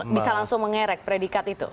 bisa langsung mengerek predikat itu